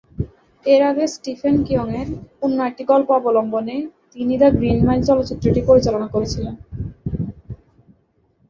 এর আগে স্টিফেন কিংয়ের অন্য একটি গল্প অবলম্বনে তিনি দ্য গ্রিন মাইল চলচ্চিত্রটি পরিচালনা করেছিলেন।